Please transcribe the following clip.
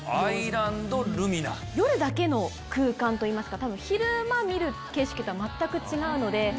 夜だけの空間といいますか昼間見る景色とは全く違うので。